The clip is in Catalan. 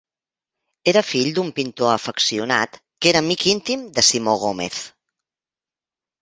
Era fill d'un pintor afeccionat que era amic íntim de Simó Gómez.